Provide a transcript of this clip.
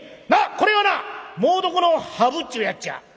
これはな猛毒のハブっちゅうやっちゃ」。